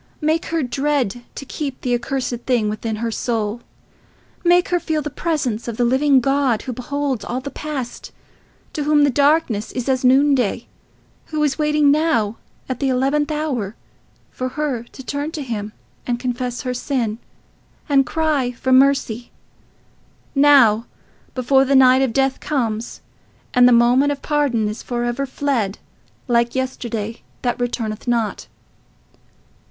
Make her dread to keep the accursed thing within her soul. Make her feel the presence of the living God, who beholds all the past, to whom the darkness is as noonday; who is waiting now, at the eleventh hour, for her to turn to him, and confess her sin, and cry for mercy—now, before the night of death comes, and the moment of pardon is for ever fled, like yesterday that returneth not.